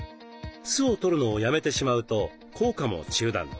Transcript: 酢をとるのをやめてしまうと効果も中断。